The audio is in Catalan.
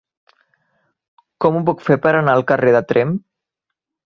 Com ho puc fer per anar al carrer de Tremp?